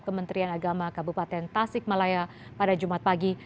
kementerian agama kabupaten tasik malaya pada jumat pagi